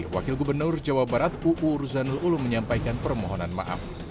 wakil gubernur jawa barat uu ruzanul ulum menyampaikan permohonan maaf